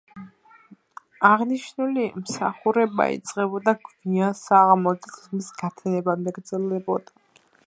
აღნიშნული მსახურება იწყებოდა გვიან საღამოს და თითქმის გათენებამდე გრძელდებოდა.